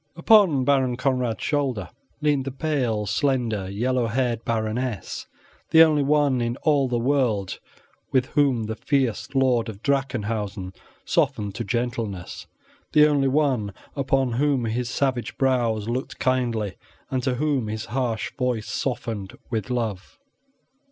Upon Baron Conrad's shoulder leaned the pale, slender, yellow haired Baroness, the only one in all the world with whom the fierce lord of Drachenhausen softened to gentleness, the only one upon whom his savage brows looked kindly, and to whom his harsh voice softened with love.